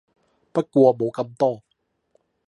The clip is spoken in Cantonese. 不過冇咁多